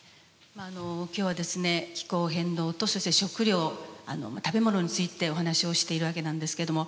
今日はですね気候変動とそして食料食べ物についてお話をしているわけなんですけども続いてはですね